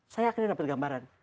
saya akhirnya dapat gambaran